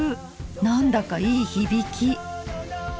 何だかいい響き！